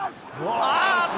あっと！